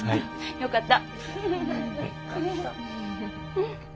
よかった。